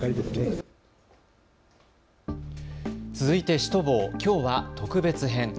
続いてシュトボー、きょうは特別編。